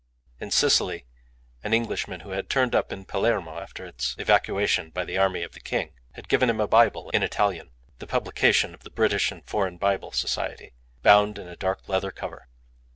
In Sicily, an Englishman who had turned up in Palermo after its evacuation by the army of the king, had given him a Bible in Italian the publication of the British and Foreign Bible Society, bound in a dark leather cover.